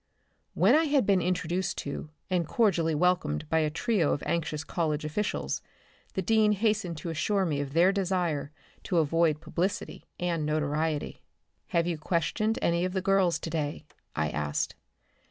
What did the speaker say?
When I had been introduced to and cordially welcomed by a trio of anxious College officials, the dean hastened to assure me of their desire to avoid publicity and notoriety. "Have you questioned any of the girls today?" I asked.